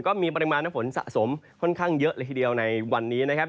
ก็มีปริมาณน้ำฝนสะสมค่อนข้างเยอะเลยทีเดียวในวันนี้นะครับ